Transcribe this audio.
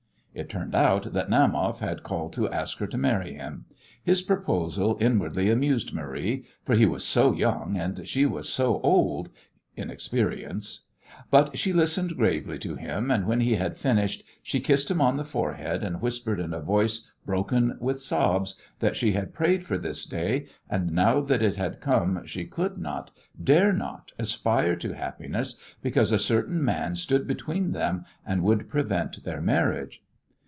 It turned out that Naumoff had called to ask her to marry him. His proposal inwardly amused Marie, for he was so young and she was so old in experience. But she listened gravely to him, and when he had finished she kissed him on the forehead and whispered in a voice broken with sobs that she had prayed for this day and now that it had come she could not, dare not, aspire to happiness because a certain man stood between them and would prevent their marriage.